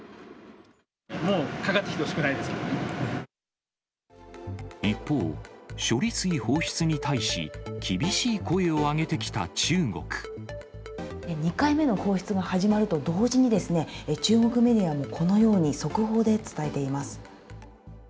もうかかってきてほしくない一方、処理水放出に対し、２回目の放出が始まると同時にですね、中国メディアもこのように速報で伝えています。